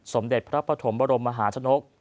สมเด็จพระปฐมบรมมหาชนก